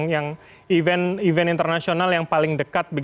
yang event internasional yang paling dekat